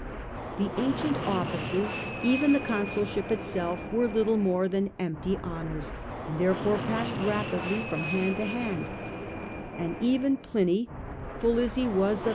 The ancient offices, even the which consulship itself, were little more than empty ^ncrable honours, and therefore passed rapidly from were, 'U no hand to hand ; and even Pliny, full as he v^as real power.